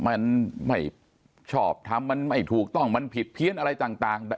มันไม่ชอบทำมันไม่ถูกต้องมันผิดเพี้ยนอะไรต่าง